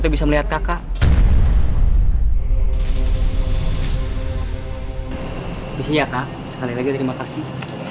bisa ya kak sekali lagi terima kasih